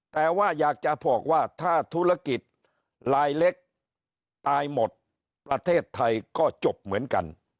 แต่ว่าอยากจะบอกว่าถ้าธุรกิจลายเล็กตายหมดประเทศไทยก็จบเหมือนกัน